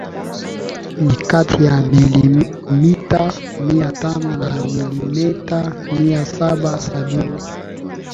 ni kati ya milimita mia tano na milimeta mia saba sabini